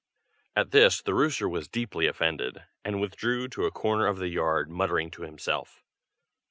At this the rooster was deeply offended, and withdrew to a corner of the yard, muttering to himself.